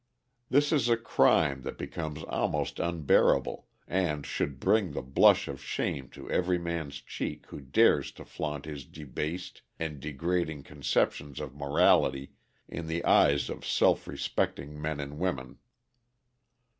This is a crime that becomes almost unbearable, and should bring the blush of shame to every man's cheek who dares to flaunt his debased and degrading conceptions of morality in the eyes of self respecting men and women.